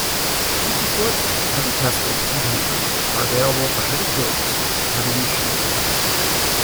Twenty-foot, "heavy tested" containers are available for heavy goods such as heavy machinery.